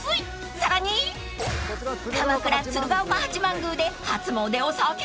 ［さらに鎌倉鶴岡八幡宮で初詣を先取り］